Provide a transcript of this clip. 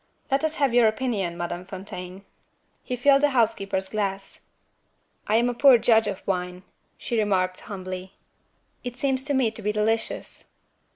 "Let us have your opinion, Madame Fontaine." He filled the housekeeper's glass. "I am a poor judge of wine," she remarked humbly. "It seems to me to be delicious."